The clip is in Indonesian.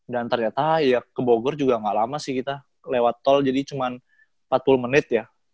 dan ternyata ya ke bogor juga gak lama sih kita lewat tol jadi cuma empat puluh menit ya